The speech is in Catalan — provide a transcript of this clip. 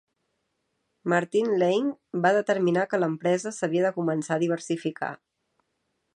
Martin Laing va determinar que l'empresa s'havia de començar a diversificar.